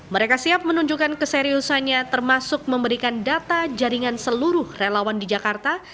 mereka siap menunjukkan keseriusannya termasuk memberikan data jaringan seluruh relawan di jakarta